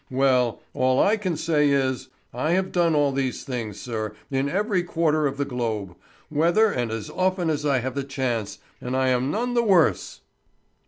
Well, all I can say is, I have done all these things, sir, in every quarter of the globe, wherever and as often as I have had the chance, and I am none the worse."